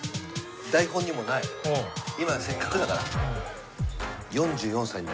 今せっかくだから。